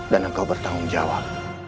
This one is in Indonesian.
dan engkau bertanggung jawab